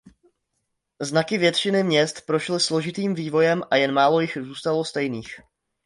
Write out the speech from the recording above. Znaky většiny měst prošly složitým vývojem a jen málo jich zůstalo stejných.